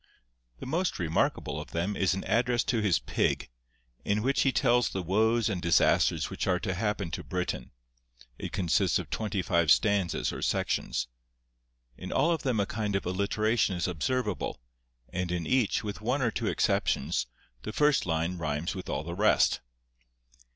The most remarkable of them is an address to his pig, in which he tells the woes and disasters which are to happen to Britain: it consists of twenty five stanzas or sections. In all of them a kind of alliteration is observable, and in each, with one or two exceptions, the first line rhymes with all the rest.